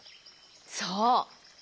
そう。